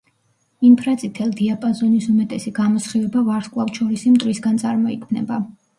ინფრაწითელ დიაპაზონის უმეტესი გამოსხივება ვარსკვლავთშორისი მტვრისგან წარმოიქმნება.